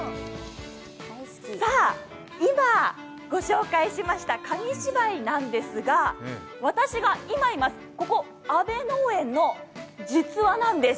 さあ、今ご紹介しました紙芝居なんですが、私がいまいます、ここ阿部農園の実話なんです。